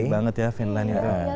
jauh banget ya finland